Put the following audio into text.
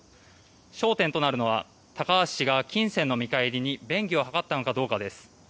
焦点となるのは高橋氏が金銭の見返りに便宜を図ったのかどうかです。